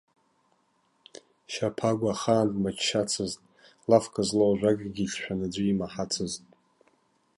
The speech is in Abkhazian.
Шьаԥагәа ахаан дмыччацызт, лафк злоу ажәакгьы иҿшәаны аӡәы имаҳацызт.